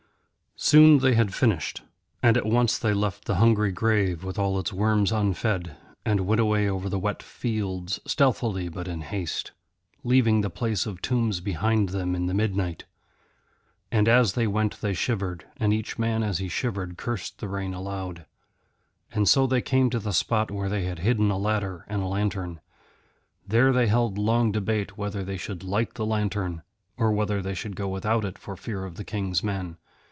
Soon they had finished. And at once they left the hungry grave with all its worms unfed, and went away over the wet fields stealthily but in haste, leaving the place of tombs behind them in the midnight. And as they went they shivered, and each man as he shivered cursed the rain aloud. And so they came to the spot where they had hidden a ladder and a lantern. There they held long debate whether they should light the lantern, or whether they should go without it for fear of the King's men.